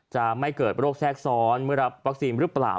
จะไม่เกิดโรคแทรกซ้อนเมื่อรับวัคซีนหรือเปล่า